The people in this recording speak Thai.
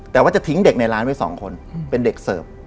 แต่ว่าจะทิ้งเด็กในร้านไว้๒คนเป็นเด็กเสิร์ฟ